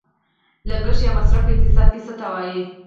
لګښت یا مصرف په اقتصاد کې څه ته وايي؟